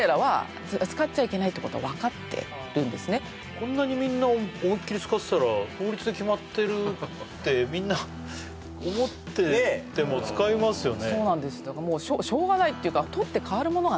こんなにみんな思いっきり使ってたら法律で決まっているって、みんな思っていても使いますよね。